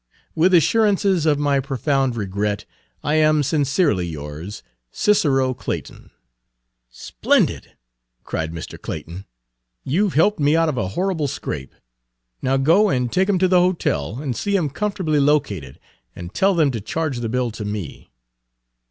"With assurances of my profound regret, I am Sincerely yours, "CICERO CLAYTON." Page 121 "Splendid!" cried Mr. Clayton. "You 've helped me out of a horrible scrape. Now, go and take him to the hotel and see him comfortably located, and tell them to charge the bill to me."